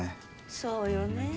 そうよねえ。